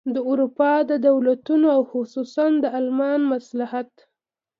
د اروپا د دولتونو او خصوصاً د المان مصلحت.